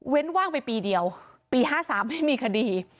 ว่างไปปีเดียวปี๕๓ไม่มีคดี